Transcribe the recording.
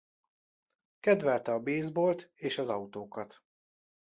Kedvelte a baseballt és az autókat.